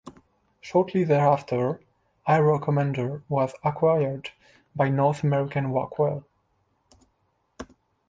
Shortly thereafter, Aero Commander was acquired by North American Rockwell.